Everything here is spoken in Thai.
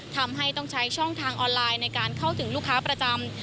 ทำให้ต้องใช้ช่องทางออนไลน์ในการเข้าถึงลูกค้าประจำ